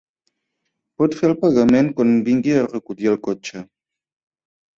Pot fer el pagament quan vingui a recollir el cotxe.